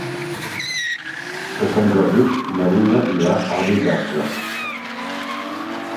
Per Sant Jordi na Bruna irà a Bigastre.